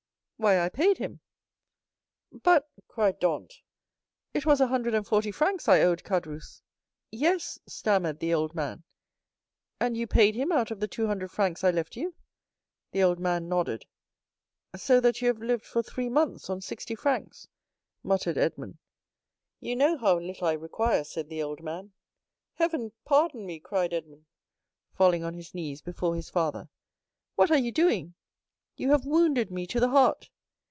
"Why, I paid him." "But," cried Dantès, "it was a hundred and forty francs I owed Caderousse." "Yes," stammered the old man. "And you paid him out of the two hundred francs I left you?" The old man nodded. "So that you have lived for three months on sixty francs," muttered Edmond. "You know how little I require," said the old man. "Heaven pardon me," cried Edmond, falling on his knees before his father. "What are you doing?" "You have wounded me to the heart."